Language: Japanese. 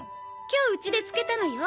今日ウチで漬けたのよ。